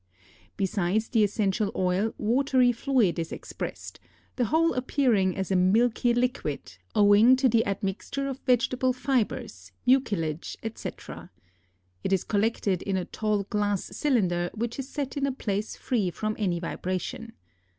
Besides the essential oil, watery fluid is expressed, the whole appearing as a milky liquid, owing to the admixture of vegetable fibres, mucilage, etc. It is collected in a tall glass cylinder which is set in a place free from any vibration.